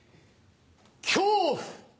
恐怖！